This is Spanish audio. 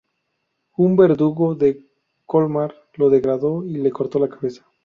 Un verdugo de Colmar lo degradó y le cortó la cabeza.